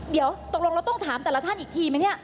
เดี๋ยวตกลงเราต้องถามแต่ละท่านอีกทีไหมเนี่ย